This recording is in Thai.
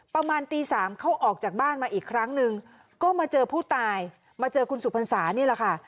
ประมาณตีสามเขาออกจากบ้านมาอีกครั้งหนึ่งก็มาเจอผู้ตายมาเจอคุณสุพรรษานี่แหละค่ะ